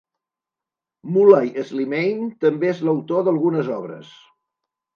Mulay Slimane també és l'autor d'algunes obres.